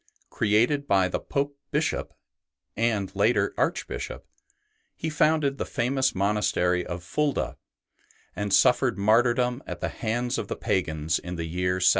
Created by the Pope Bishop, and later Archbishop, he founded the famous monastery of Fulda, and suffered martyrdom at the hands of the pagans in the year 752.